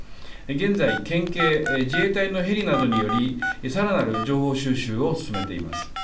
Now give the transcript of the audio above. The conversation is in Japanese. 現在、県警、自衛隊のヘリなどにより、さらなる情報収集を進めています。